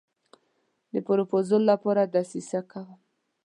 د پرزولو لپاره دسیسه کوم.